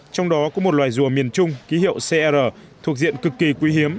trong đó có một loài rùa miền trung ký hiệu cr thuộc diện cực kỳ quý hiếm